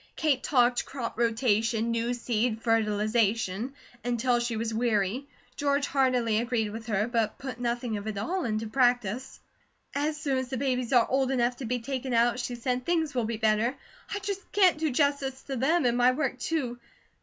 Kate talked crop rotation, new seed, fertilization, until she was weary; George heartily agreed with her, but put nothing of it all into practice. "As soon as the babies are old enough to be taken out," she said, "things will be better. I just can't do justice to them and my work, too.